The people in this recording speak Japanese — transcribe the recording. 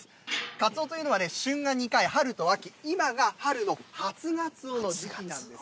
かつおというのは旬が２回春と秋今が春の初がつおの時期なんです。